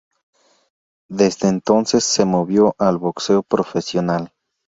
Desde entonces se movió al boxeo profesional.